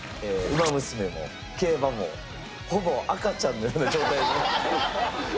「ウマ娘」も競馬もほぼ赤ちゃんのような状態です。